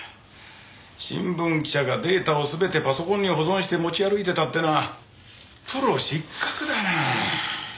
新聞記者がデータを全てパソコンに保存して持ち歩いてたってのはプロ失格だな。